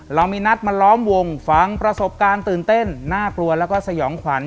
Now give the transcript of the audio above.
เรามีนัดมาล้อมวงฟังประสบการณ์ตื่นเต้นน่ากลัวแล้วก็สยองขวัญ